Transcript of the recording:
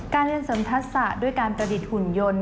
การเรียนสนทัศน์ด้วยการประดิษฐ์หุ่นยนต์